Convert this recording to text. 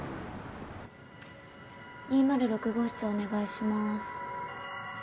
２０６号室お願いします。